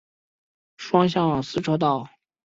双向四车道。